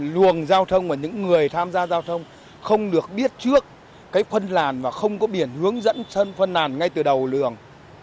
luồng giao thông và những người tham gia giao thông không được biết trước cái phân làn và không có biển hướng dẫn phân làn ngay từ đầu luồng